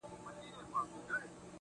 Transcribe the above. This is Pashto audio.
څوک مسافر او که د یار تر څنګه وینه